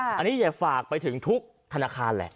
อันนี้อย่าฝากไปถึงทุกธนาคารแหละ